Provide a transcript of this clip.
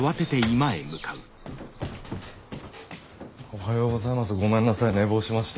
おはようございます。